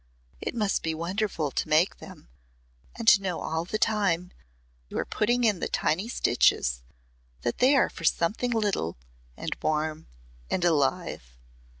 "It must be wonderful to make them and to know all the time you are putting in the tiny stitches, that they are for something little and warm and alive!"